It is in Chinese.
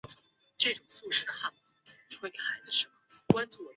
劳动者之间的就业竞争会驱使工资水平下滑至仅能糊口的最低水平。